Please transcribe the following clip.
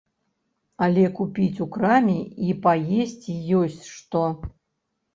Але купіць у краме і паесці ёсць што?